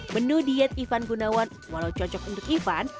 menu diet ivan gunawan walau cocok untuk ivan